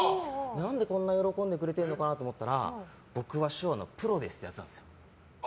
何でこんな喜んでくれるのかなと思ったら僕は手話のプロですってやってたんです。